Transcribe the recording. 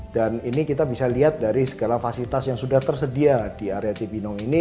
dan ini kita bisa lihat dari segala fasilitas yang sudah tersedia di area cibenong ini